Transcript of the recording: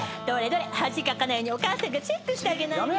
恥かかないようにお母さんがチェックしてあげないと。